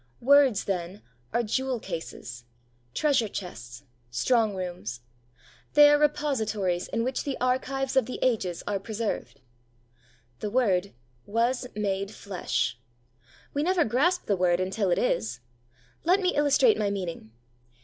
Words, then, are jewel cases, treasure chests, strong rooms; they are repositories in which the archives of the ages are preserved. 'The Word was made flesh.' We never grasp the Word until it is. Let me illustrate my meaning.